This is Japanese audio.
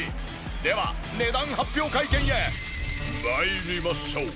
では値段発表会見へ参りましょう。